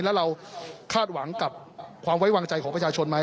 แล้วเราคาดหวังกับความไว้วางใจของประชาชนไหม